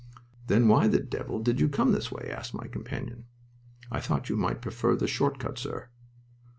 "Then why the devil did you come this way?" asked my companion. "I thought you might prefer the short cut, sir."